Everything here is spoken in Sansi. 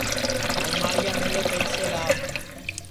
الماڑِیاملے پیئیسے لاو